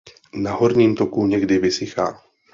Na horním toku někdy vysychá.